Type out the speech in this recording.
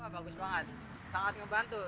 bagus banget sangat ngebantu